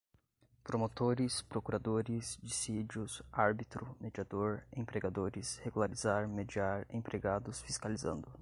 promotores, procuradores, dissídios, árbitro, mediador, empregadores, regularizar, mediar, empregados, fiscalizando